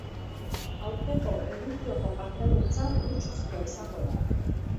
Aurtengo edizioko partaidetza luxuzkoa izango da.